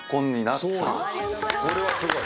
これはすごい。